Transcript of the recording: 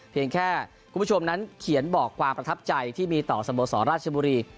แค่คุณผู้ชมนั้นเขียนบอกความประทับใจที่มีต่อสโมสรราชบุรี